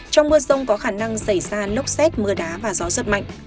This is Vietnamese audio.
trong mưa rông có khả năng xảy ra lốc xét mưa đá và gió rất mạnh